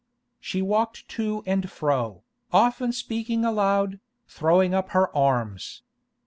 She walked to and fro, often speaking aloud, throwing up her arms.